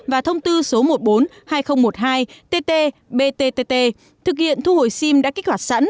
và thông tư số một mươi bốn hai nghìn một mươi hai tt bttt thực hiện thu hồi sim đã kích hoạt sẵn